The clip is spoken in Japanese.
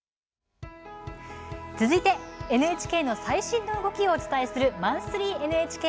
ＮＨＫの最新の動きをお伝えする「マンスリーＮＨＫ」